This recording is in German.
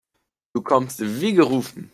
Du kommst wie gerufen.